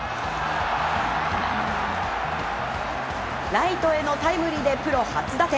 ライトへのタイムリーでプロ初打点。